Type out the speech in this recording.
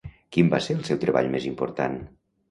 Quin va ser el seu treball més important?